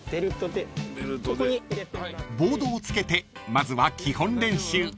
［ボードをつけてまずは基本練習］